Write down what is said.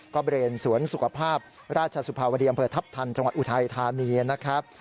ก็บริเวณสวนสุขภาพราชสุภาวดีอำเภอทัพทันจังหวัดอุทัยธานีนะครับ